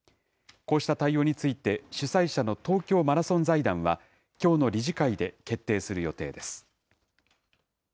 こうした対応について、主催者の東京マラソン財団は、きょうの理事会で決定する予定です。